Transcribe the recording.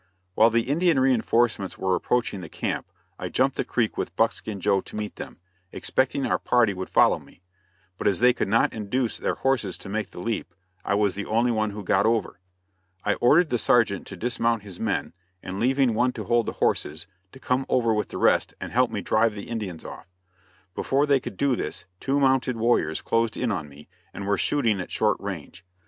While the Indian reinforcements were approaching the camp I jumped the creek with Buckskin Joe to meet them, expecting our party would follow me; but as they could not induce their horses to make the leap, I was the only one who got over. I ordered the sergeant to dismount his men, and leaving one to hold the horses, to come over with the rest and help me drive the Indians off. Before they could do this, two mounted warriors closed in on me and were shooting at short range.